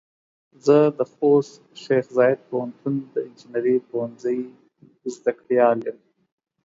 زه د خوست شیخ زايد پوهنتون د انجنیري پوهنځۍ زده کړيال يم.